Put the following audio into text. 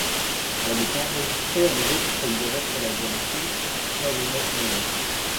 Elle est enregistrée à nouveau pour figurer sur l'album Q: Are We Not Men?